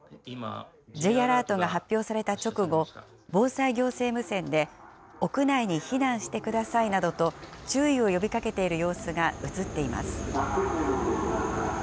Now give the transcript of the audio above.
Ｊアラートが発表された直後、防災行政無線で、屋内に避難してくださいなどと、注意を呼びかけている様子が写っています。